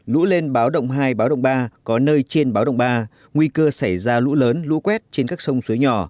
lũ lên báo động hai báo động ba có nơi trên báo động ba nguy cơ xảy ra lũ lớn lũ quét trên các sông suối nhỏ